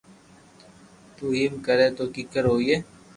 تو ايم ڪري تو ڪيڪر ھوئي